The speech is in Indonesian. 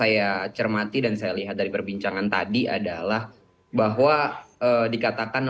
ya karena dari yang tanggalnya kosong